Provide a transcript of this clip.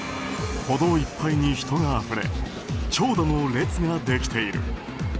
歩道いっぱいに人があふれ長蛇の列ができている。